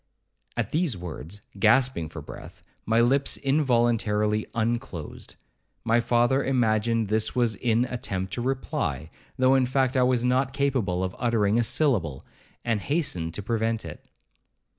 At these words, gasping for breath, my lips involuntarily unclosed; my father imagined this was an attempt to reply, though in fact I was not capable of uttering a syllable, and hastened to prevent it.